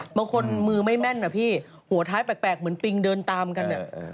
มือไม่แม่นนะพี่หัวท้ายแปลกเหมือนปริงเดินตามกัน